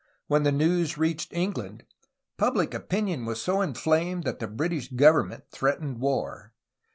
When the news reached England, public opinion was so inflamed that the British government threatened war.